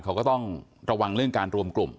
เขาก็ต้องระวังเรื่องการรวมกลุ่ม